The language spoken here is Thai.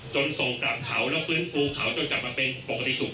ส่งกลับเขาแล้วฟื้นฟูเขาจนกลับมาเป็นปกติสุข